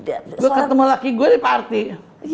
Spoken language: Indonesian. aku ketemu laki gue di party